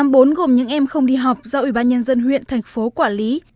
nhóm bốn gồm những em không đi học do ủy ban nhân dân huyện thành phố quản lý